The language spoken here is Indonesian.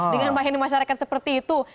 dengan melayani masyarakat seperti itu